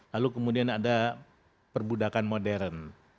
lalu kemudian ada perbudakan modern